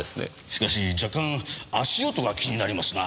しかし若干足音が気になりますな。